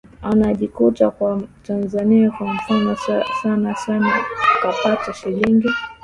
anajikuta kwa tanzania kwa mfano sana sana kapata shilingi